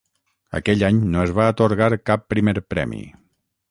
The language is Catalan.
Aquell any no es va atorgar cap primer premi.